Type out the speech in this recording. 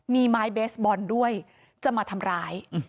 มีไม้เบสบอลด้วยจะมาทำร้าย